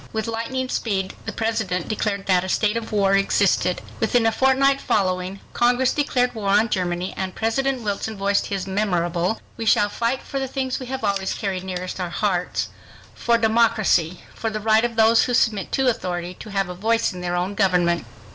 With lightning speed the President declared that a state of war existed. Within a fortnight following, Congress declared war on Germany and President Wilson voiced his memorable, "We shall fight for the things we have always carried nearest our hearts—for democracy—for the right of those who submit to authority to have a voice in their own government."